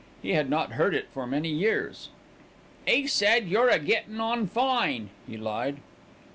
He had not heard it for many years. "'E said you're a gettin' on fine," he lied.